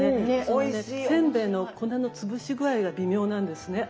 それでせんべいの粉の潰し具合が微妙なんですね。